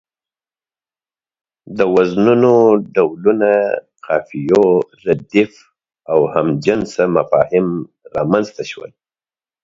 د وزنونو ډولونه، قافيو، رديف او هم جنسه مفاهيم رامنځ ته شول.